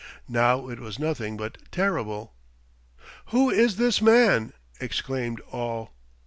Now it was nothing but terrible. "Who is this man?" exclaimed all.